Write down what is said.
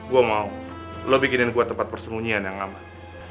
gue mau lo bikinin gue tempat persembunyian yang aman